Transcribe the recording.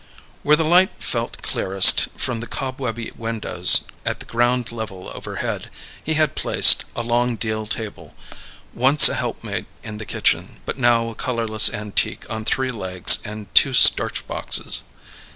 Where the light fell clearest from the cobwebby windows at the ground level overhead, he had placed a long deal table, once a helpmate in the kitchen, but now a colourless antique on three legs and two starch boxes.